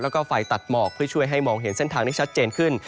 แล้วก็ไฟตัดหมอกเพื่อช่วยให้มองเห็นเส้นทางได้ชัดเจนขึ้น